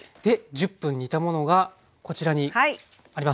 １０分煮たものがこちらにあります。